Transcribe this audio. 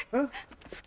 好き。